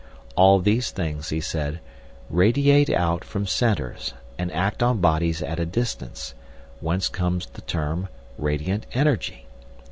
All these things, he said, radiate out from centres, and act on bodies at a distance, whence comes the term "radiant energy."